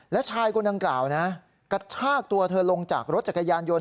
และชายคนดังกล่าวนะกระชากตัวเธอลงจากรถจักรยานยนต